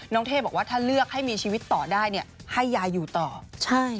เท่บอกว่าถ้าเลือกให้มีชีวิตต่อได้เนี่ยให้ยายอยู่ต่อใช่